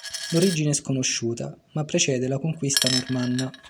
L'origine è sconosciuta, ma precede la conquista normanna.